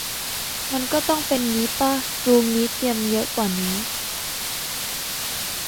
มันก็ต้องเป็นงี้ป่ะ รู้งี้เตรียมเยอะกว่านี้